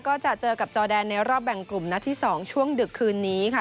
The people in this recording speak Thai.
ก็จะเจอกับจอแดนในรอบแบ่งกลุ่มนัดที่๒ช่วงดึกคืนนี้ค่ะ